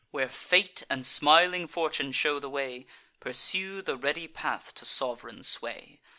Where Fate and smiling Fortune shew the way, Pursue the ready path to sov'reign sway.